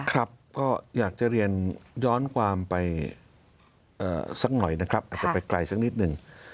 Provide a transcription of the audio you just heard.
ครับก็อยากจะเรียนย้อนความไปสักหน่อยนะครับอาจจะไปไกลสักนิดหนึ่ง